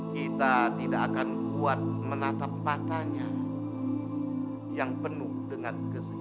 kita tidak akan kuat menatap matanya yang penuh dengan keseimbangan